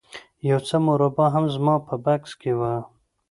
یو څه مربا هم زما په بکس کې وه